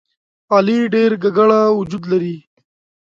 علي ډېر ګګړه وجود لري.